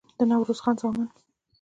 د نوروز خان زامن